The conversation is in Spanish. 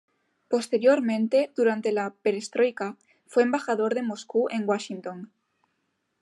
Posteriormente, durante la "Perestroika", fue embajador de Moscú en Washington.